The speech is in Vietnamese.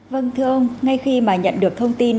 vâng thưa ông ngay khi mà nhận được thông tin